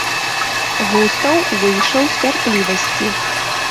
Густаў выйшаў з цярплівасці.